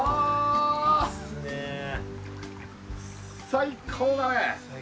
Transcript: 最高だね！